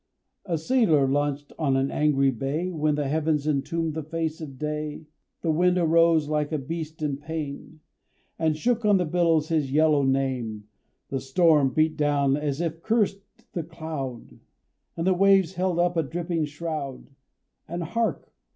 A sailor launched on an angry bay When the heavens entombed the face of day The wind arose like a beast in pain, And shook on the billows his yellow name, The storm beat down as if cursed the cloud, And the waves held up a dripping shroud But, hark!